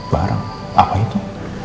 barang apa itu